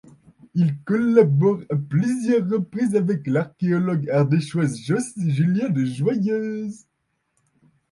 Il collabore à plusieurs reprises avec l'archéologue ardéchois Jos Jullien de Joyeuse.